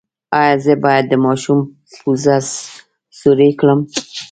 ایا زه باید د ماشوم پوزه سورۍ کړم؟